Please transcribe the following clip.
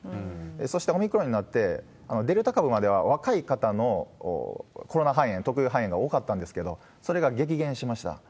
そしてオミクロンになって、デルタ株までは若い方のコロナ肺炎、特有肺炎が多かったんですけど、それが激減しました。